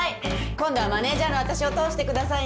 今度はマネジャーのあたしを通してくださいね。